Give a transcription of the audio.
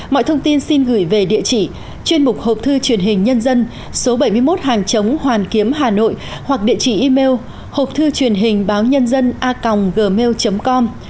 mọi thông tin xin gửi về địa chỉ chuyên mục hộp thư truyền hình nhân dân số bảy mươi một hàng chống hoàn kiếm hà nội hoặc địa chỉ email hộp thư truyền hình báo nhân dân a gmail com